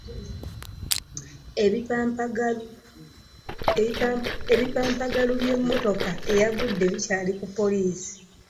Ebipampagalu by'emmotoka eyagudde bikyali ku poliisi.